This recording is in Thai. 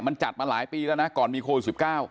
มันจัดมาหลายปีแล้วนะก่อนมีโควิด๑๙